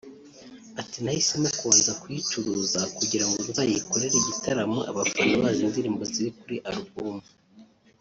Ati “Nahisemo kubanza kuyicuruza kugira ngo nzayikorere igitaramo abafana bazi indirimbo ziri kuri album